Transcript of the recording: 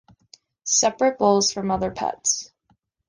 Separate bowls from other pets.